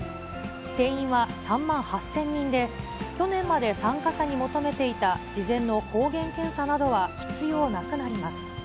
定員は３万８０００人で、去年まで参加者に求めていた事前の抗原検査などは必要なくなります。